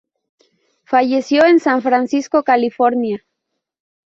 Falleció en San Francisco, California.